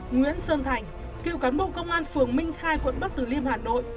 nguyễn sơn thành cựu cán bộ công an phường minh khai quận bắc từ liêm hà nội